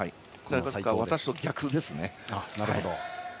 私と逆ですね。